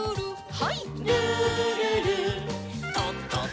はい。